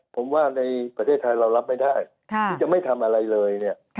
ผมว่าในประเทศไทยเรารับไม่ได้ที่จะไม่ทำอะไรเลยเนี่ย